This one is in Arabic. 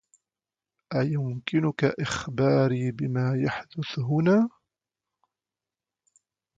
أيمكنك إخباري بما يحدث هنا؟